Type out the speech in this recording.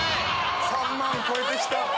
３万超えてきた！